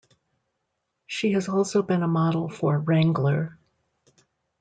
She has also been a model for Wrangler.